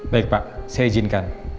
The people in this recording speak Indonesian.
baik pak saya izinkan